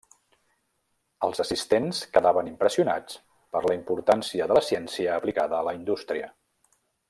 Els assistents quedaven impressionats per la importància de la ciència aplicada a la indústria.